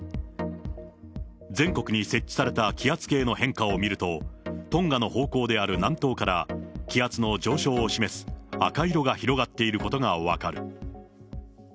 全国に設置された気圧計の変化を見ると、トンガの方向である南東から気圧の上昇を示す、赤色が広がっていることが分かる。